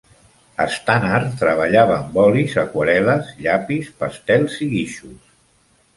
Stannard treballava amb olis, aquarel·les, llapis, pastels i guixos.